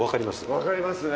分かりますね